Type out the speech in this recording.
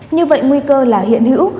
như vậy nguy cơ là hiện hữu